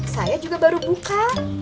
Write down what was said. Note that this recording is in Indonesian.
saya juga baru buka